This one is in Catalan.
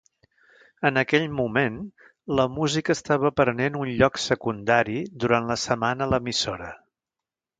En aquell moment, la música estava prenent un lloc secundari durant la setmana a l'emissora.